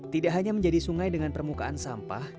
tidak hanya menjadi sungai dengan permukaan sampah